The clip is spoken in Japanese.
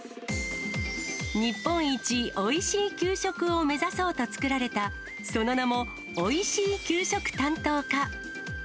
日本一おいしい給食を目指そうと作られた、その名も、おいしい給食担当課。